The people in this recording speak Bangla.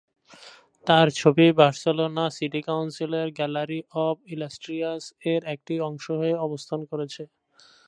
তার ছবি বার্সেলোনা সিটি কাউন্সিলের "গ্যালারি অব ইলাস্ট্রিয়াস"-এর একটি অংশ হয়ে অবস্থান করছে।